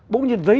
bỗng nhiên dấy